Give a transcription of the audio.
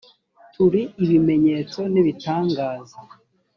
turi ibimenyetso n ibitangaza